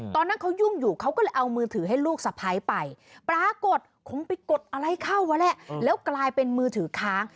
ตอนนั้นเขายุ่งอยู่เขาอะไรกดอะไรเข้าแล้วกลายเป็นมือถือค้าง